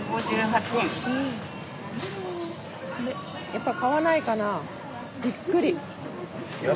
やっぱ買わないかなびっくり。